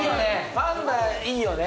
パンダいいよね。